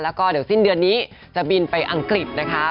แล้วก็เดี๋ยวสิ้นเดือนนี้จะบินไปอังกฤษนะคะ